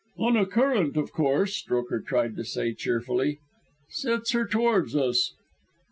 "Oh, a current, of course," Strokher tried to say cheerfully, "sets her toward us."